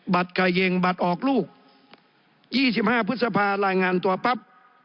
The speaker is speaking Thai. ไข่เย็งบัตรออกลูก๒๕พฤษภารายงานตัวปั๊บ